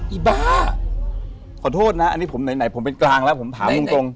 อีบ้าขอโทษนะอันนี้ผมไหนผมเป็นกลางแล้วผมถามตรง